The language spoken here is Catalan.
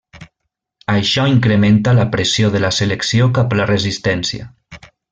Això incrementa la pressió de la selecció cap a la resistència.